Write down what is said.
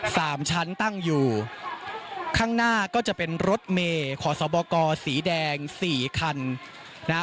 สามชั้นตั้งอยู่ข้างหน้าก็จะเป็นรถเมย์ขอสบกสีแดงสี่คันนะฮะ